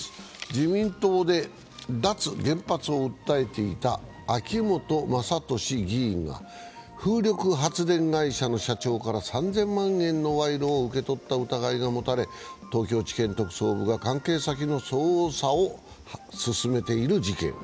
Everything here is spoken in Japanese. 自民党で脱原発を訴えていた秋本真利議員が風力発電会社の社長から３０００万円の賄賂を受け取った疑いが持たれ、東京地検特捜部が関係先の捜査を進めている事件。